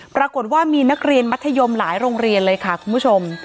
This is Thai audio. ปรากฏว่ามีนักเรียนมัธยมหลายโรงเรียนเลยค่ะคุณผู้ชม